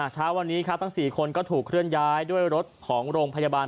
เช้าวันนี้ครับทั้ง๔คนก็ถูกเคลื่อนย้ายด้วยรถของโรงพยาบาล